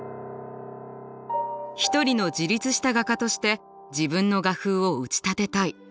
一人の自立した画家として自分の画風を打ち立てたい。